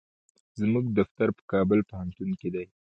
زموږ دفتر په کابل پوهنتون کې دی.